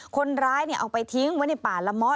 คนร้ายเอาไปทิ้งไว้ในป่าละม้อ